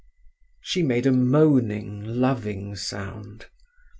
She made a moaning, loving sound.